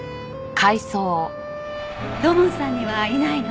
土門さんにはいないの？